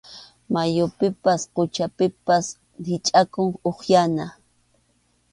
Mayupipas quchapipas hichʼakuq upyana.